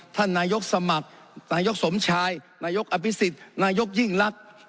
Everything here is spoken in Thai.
ท่านนายกสมัครนายกสมชายนายกอภิษฎนายกยิ่งรัก